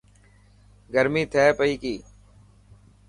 گرمي ٿي پئي ڪي.